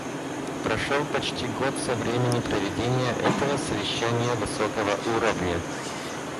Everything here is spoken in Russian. Прошел почти год со времени проведения этого совещания высокого уровня.